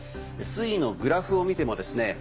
水位のグラフを見てもですね